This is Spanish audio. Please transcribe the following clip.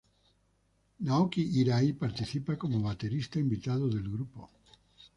Naoki Hirai participa como baterista invitado del grupo.